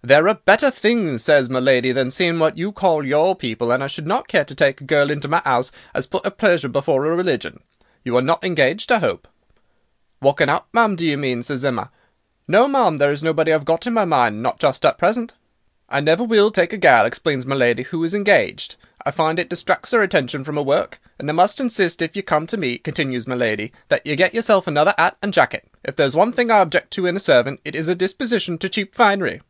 "'There are better things,' says my lady, 'than seeing what you call your people, and I should not care to take a girl into my 'ouse as put 'er pleasure before 'er religion. You are not engaged, I 'ope?' "'Walking out, ma'am, do you mean?' says Emma. 'No, ma'am, there is nobody I've got in my mind—not just at present.' "'I never will take a gal,' explains my lady, 'who is engaged. I find it distracts 'er attention from 'er work. And I must insist if you come to me,' continues my lady, 'that you get yourself another 'at and jacket. If there is one thing I object to in a servant it is a disposition to cheap finery.